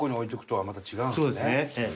そうですねええ。